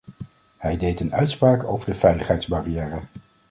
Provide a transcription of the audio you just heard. Hij deed een uitspraak over de veiligheidsbarrière.